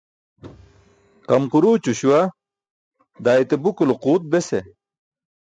Qamquruućo śuwa, daa ete buku lo quut bese.